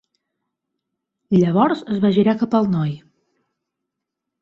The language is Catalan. Llavors es va girar cap al noi.